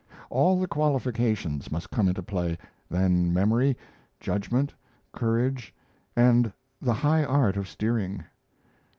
All the qualifications must come into play, then memory, judgment, courage, and the high art of steering.